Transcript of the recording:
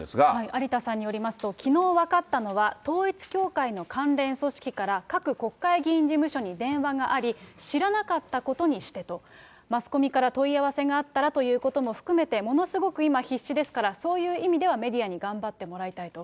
有田さんによりますと、きのう分かったのは、統一教会の関連組織から各国会議員事務所に電話があり、知らなかったことにしてと、マスコミから問い合わせがあったらということも含めて、ものすごく今、必死ですから、そういう意味ではメディアに頑張ってもらいたいと。